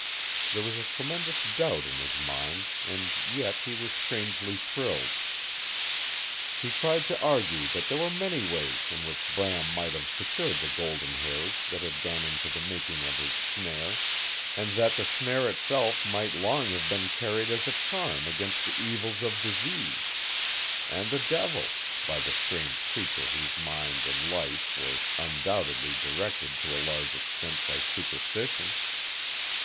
There was a tremendous doubt in his mind, and yet he was strangely thrilled. He tried to argue that there were many ways in which Bram might have secured the golden hairs that had gone into the making of his snare; and that the snare itself might long have been carried as a charm against the evils of disease and the devil by the strange creature whose mind and life were undoubtedly directed to a large extent by superstition.